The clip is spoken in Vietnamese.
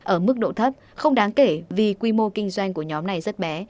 ở mức độ thấp không đáng kể vì quy mô kinh doanh của nhóm này rất bé